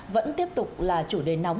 vẫn tiếp tục là chủ đề nóng